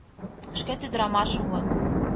— Шкет ӱдырамаш уло!